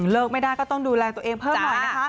เลิกไม่ได้ก็ต้องดูแลตัวเองเพิ่มหน่อยนะคะ